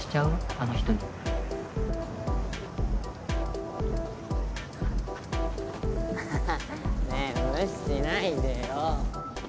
あの人にアハハねえ無視しないでよ